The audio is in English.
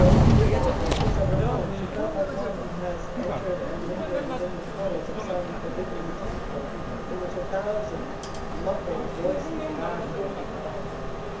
Within the precincts of her home she felt like one who has entered and lingered within the portals of some forbidden temple in which a thousand muffled voices bade her begone.